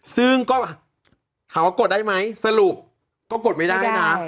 ซึ่งก็ถามว่ากดได้ไหมสรุปก็กดไม่ได้นะ